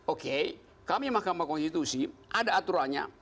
oke kami mahkamah konstitusi ada aturannya